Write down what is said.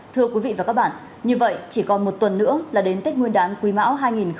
thưa quý vị và các bạn như vậy chỉ còn một tuần nữa là đến tết nguyên đán quý mão hai nghìn hai mươi